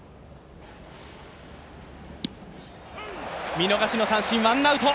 見逃しの三振、ワンアウト。